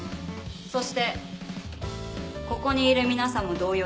そしてここにいる皆さんも同様です。